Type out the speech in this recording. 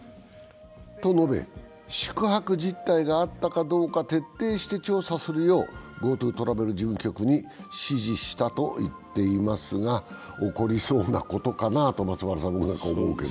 と述べ、宿泊実態があったかどうか徹底して調査するようＧｏＴｏトラベル事務局に指示したと言っていますが起こりそうなことかなと松原さん、僕なんかは思うけど？